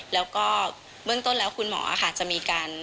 แล้วก็เบื้องต้นแล้วคุณหมอค่ะจะมีการ